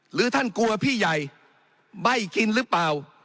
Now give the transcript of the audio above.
หรือท่านกลัวพี่ใหญ่ใบ้กินหรือเปล่า